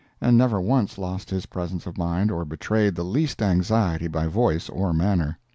and never once lost his presence of mind or betrayed the least anxiety by voice or manner.